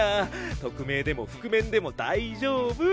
匿名でも覆面でも大丈夫！